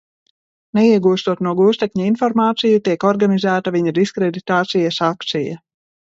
Neiegūstot no gūstekņa informāciju, tiek organizēta viņa diskreditācijas akcija.